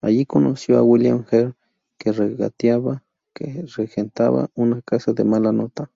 Allí conoció a William Hare, que regentaba una casa de mala nota.